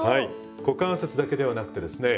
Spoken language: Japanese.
股関節だけではなくてですね